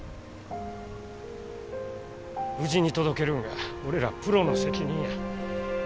無事に届けるんが俺らプロの責任や。